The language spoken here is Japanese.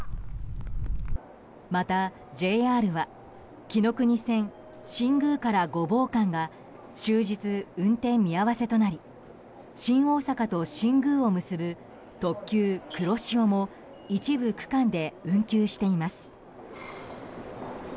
また、ＪＲはきのくに線新宮から御坊間が終日運転見合わせとなり新大阪と新宮を結ぶ特急「くろしお」も一部区間で運休しています。